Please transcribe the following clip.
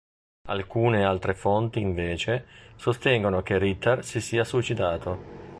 Alcune altre fonti invece, sostengono che Ritter si sia suicidato.